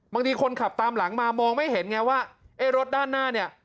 บางทีคนขับตามหลังมามองไม่เห็นไงว่าไอ้รถด้านหน้าเนี่ย